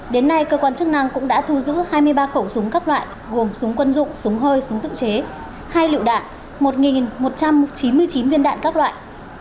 đến nay cơ quan chức năng cũng đã thu giữ hai mươi ba khẩu súng các loại gồm súng quân dụng súng hơi súng tự chế hai lựu đạn một một trăm chín mươi chín viên đạn các loại